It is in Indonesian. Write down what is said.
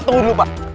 tunggu dulu pak